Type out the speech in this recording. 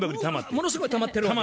ものすごいたまってるわけや。